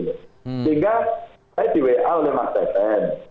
sehingga saya di wa oleh mas tn